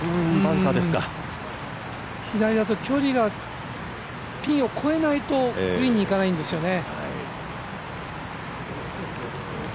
左だと距離がピンを越えないとグリーンにいかないんですよね。